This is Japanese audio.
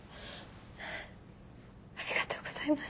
ありがとうございます。